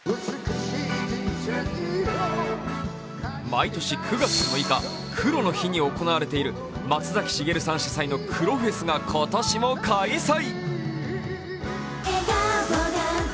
毎年９月６日黒の日に行われている松崎しげるさん主催の黒フェスが今年も開催！